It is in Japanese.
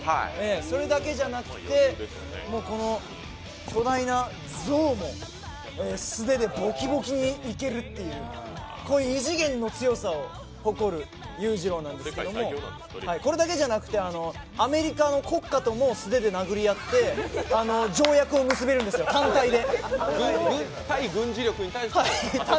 それだけじゃなくて、この巨大なゾウも素手でボキボキにいけるっていう異次元の強さを誇る勇次郎なんですけれども、これだけじゃなくて、アメリカの国家とも素手で殴り合って条約を結べるんですよ、単体で。